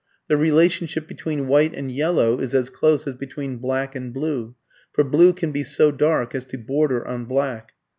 The relationship between white and yellow is as close as between black and blue, for blue can be so dark as to border on black.